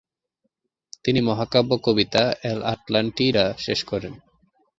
তিনি মহাকাব্য কবিতা এল' আটলান্টিডা শেষ করেন।